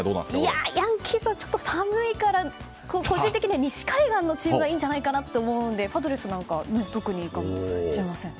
いやあ、ヤンキース戦はちょっと寒いから個人的には西海岸のチームがいいんじゃないかと思うのでパドレスなんかは特にいいかもしれません。